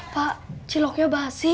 pak ciloknya basi